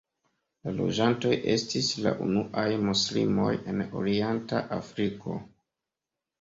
La loĝantoj estis la unuaj muslimoj en orienta Afriko.